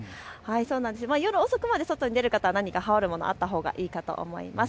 夜遅くまで外に出る方は何か羽織るものあったほうがいいかと思います。